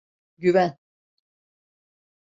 Güven.